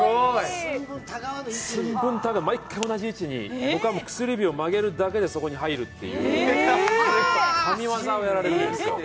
寸分違わず、毎回同じ位置に、僕が薬指を曲げるだけでそこに入るっていう神業をやられるんですよ。